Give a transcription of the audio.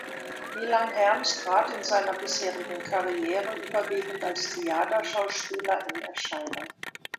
Milan Herms trat in seiner bisherigen Karriere überwiegend als Theaterschauspieler in Erscheinung.